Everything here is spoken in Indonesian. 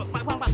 pak pak pak